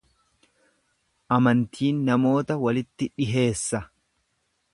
Amantiin namoota walitti dhiheessa.